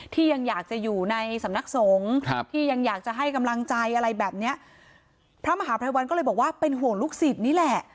ที่ยังอยากจะอยู่ในสำนักสงฆ์ครับที่ยังอยากจะให้กำลังใจอะไรแบบเนี้ยพระมหาภัยวันก็เลยบอกว่าเป็นห่วงลูกศิษย์นี่แหละ